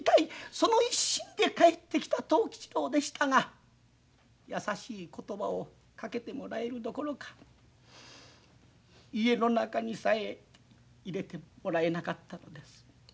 その一心で帰ってきた藤吉郎でしたが優しい言葉をかけてもらえるどころか家の中にさえ入れてもらえなかったのです。